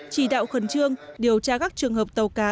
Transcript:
chỉ đạo khẩn trương điều tra các trường hợp tàu cá